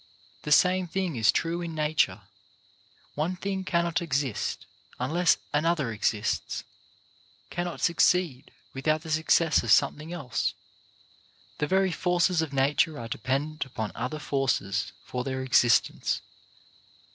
The same thing is true in nature. One thing can not exist unless another exists; cannot succeed without the success of something else. The very forces of nature are dependent upon other forces for their existence.